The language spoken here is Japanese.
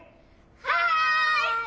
はい！